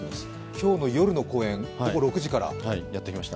今日の夜の公演、午後６時から。